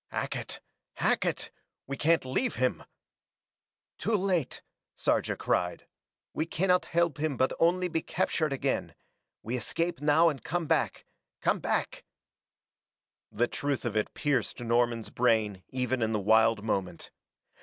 "Hackett Hackett! We can't leave him " "Too late!" Sarja cried. "We cannot help him but only be captured again. We escape now and come back come back " The truth of it pierced Norman's brain even in the wild moment.